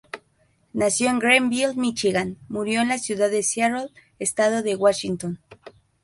Nació en Greenville, Míchigan, murió en la ciudad de Seattle, estado de Washington.